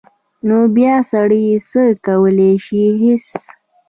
نو بیا سړی څه کولی شي هېڅ.